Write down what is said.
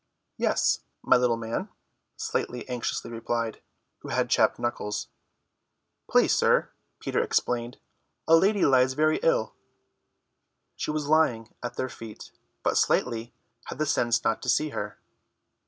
"Yes, my little man," Slightly anxiously replied, who had chapped knuckles. "Please, sir," Peter explained, "a lady lies very ill." She was lying at their feet, but Slightly had the sense not to see her.